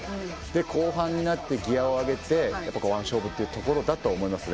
後半になってギアを上げてワン勝負というところだと思いますね。